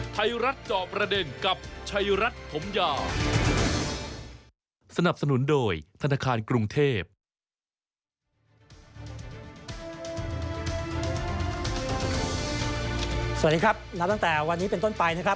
สวัสดีครับนับตั้งแต่วันนี้เป็นต้นไปนะครับ